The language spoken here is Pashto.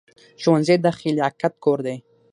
ښوونځی د خلاقیت کور دی